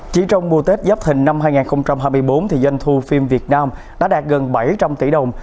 chỉ trong mùa tết giáp thình năm hai nghìn hai mươi bốn doanh thu phim việt nam đã đạt gần bảy trăm linh tỷ đồng